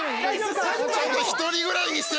ちょっと１人ぐらいにして！